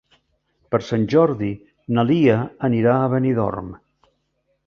Per Sant Jordi na Lia anirà a Benidorm.